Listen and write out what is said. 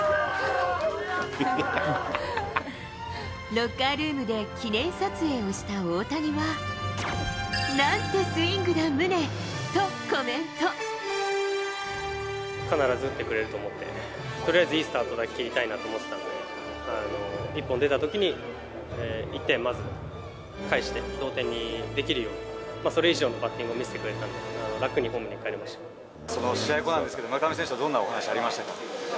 ロッカールームで記念撮影をした大谷は、なんてスイングだ、必ず打ってくれると思って、とりあえずいいスタートが切りたいなと思っていたので、１本出たときに１点まず返して、同点にできるように、それ以上のバッティングを見せてくれたので、楽にホームにかえれ試合後なんですけど、村上選手とはどんなお話がありましたか？